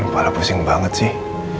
kepala pusing banget sih